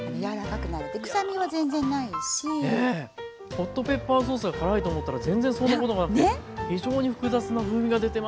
ホットペッパーソースが辛いと思ったら全然そんなこともなくて非常に複雑な風味が出てますね。